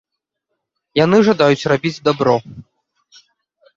Яны жадаюць рабіць дабро.